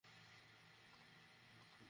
ইউক্রাইস্টটা প্রস্তুত করো।